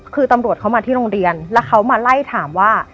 คือตำรวจเขามาที่โรงเรียนแล้วเขามาไล่ถามว่า